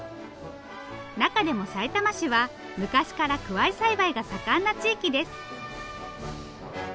中でもさいたま市は昔からくわい栽培が盛んな地域です。